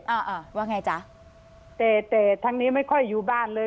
อ่าอ่าว่าไงจ๊ะแต่แต่ทั้งนี้ไม่ค่อยอยู่บ้านเลย